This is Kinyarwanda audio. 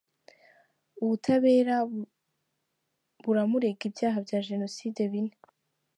Ubutabera buramurega ibyaha bya jenoside bine.